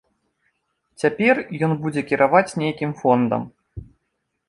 Цяпер ён будзе кіраваць нейкім фондам.